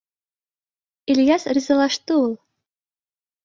— Ильяс ризалашты ул.